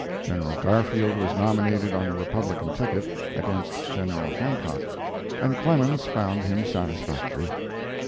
General Garfield was nominated on the Republican ticket (against General Hancock), and Clemens found him satisfactory.